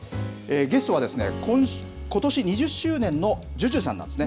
ゲストはことし２０周年のＪＵＪＵさんです。